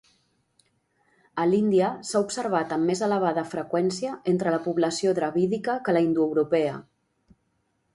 A l'Índia s'ha observat en més elevada freqüència entre la població dravídica que la indoeuropea.